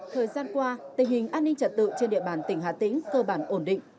thời gian qua tình hình an ninh trật tự trên địa bàn tỉnh hà tĩnh cơ bản ổn định